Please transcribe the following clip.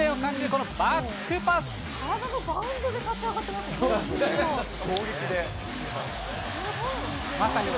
体のバウンドで立ち上がってますよ。